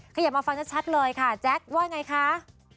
ขยับมาฟังชัดเลยค่ะแจ๊คว่าไงคะ